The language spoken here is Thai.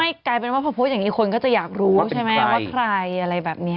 กลายเป็นว่าพอโพสต์อย่างนี้คนก็จะอยากรู้ใช่ไหมว่าใครอะไรแบบนี้